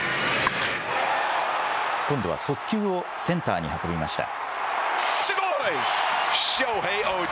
今度は速球をセンターに運びました。